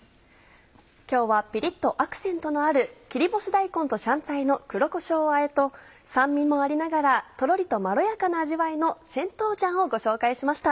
今日はピリっとアクセントのある「切り干し大根と香菜の黒こしょうあえ」と酸味もありながらとろりとまろやかな味わいの「鹹豆漿」をご紹介しました